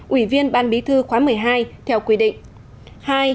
ủy viên ban bí thư khóa một mươi hai theo quy định